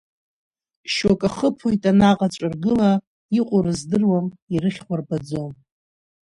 Шьоук ахыԥоит анаҟа аҵәыргыла, иҟоу рыздыруам, ирыхьуа рбаӡом…